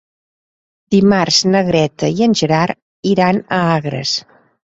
Dimarts na Greta i en Gerard iran a Agres.